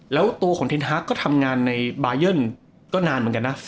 แล้วตัวของเทนฮาร์กก็ทำงานในบายันก็นานเหมือนกันนะ